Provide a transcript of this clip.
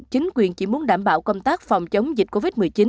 chính quyền chỉ muốn đảm bảo công tác phòng chống dịch covid một mươi chín